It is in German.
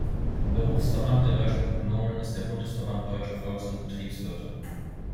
Berufsverband der deutschen Ökonomen ist der Bundesverband Deutscher Volks- und Betriebswirte.